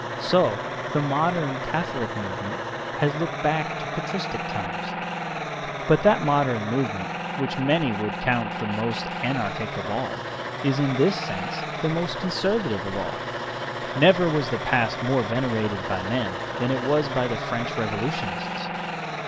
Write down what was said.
So the modern Catholic movement has looked back to patristic times. But that modern movement which many would count the most anarchic of all is in this sense the most conservative of all. Never was the past more venerated by men than it was by the French Revolutionists.